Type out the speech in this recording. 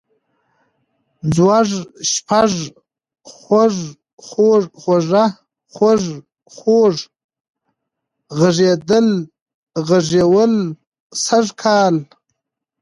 ځوږ، شپږ، خوَږ، خُوږه ، خوږ، خوږ ، غږېدل، غږول، سږ کال